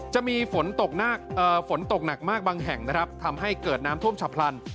จะมีฝนตกหนักมากบางแห่งนะครับทำให้เกิดน้ำท่วมฉับพลัน